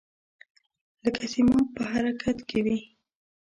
لکه سیماب په حرکت کې وي.